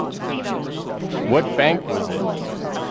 What bank was it?